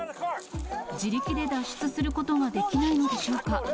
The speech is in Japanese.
自力で脱出することができないのでしょうか。